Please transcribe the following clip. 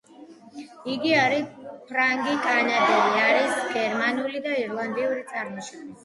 იგი არის ფრანგი კანადელი, არის გერმანული და ირლანდიური წარმოშობის.